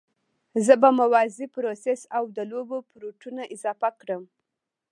زه به موازي پروسس او د لوبو پورټونه اضافه کړم